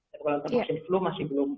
tapi kalau vaksin flu masih belum ada